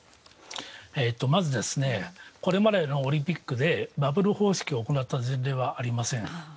まずこれまでのオリンピックでバブル方式を行った前例はありません。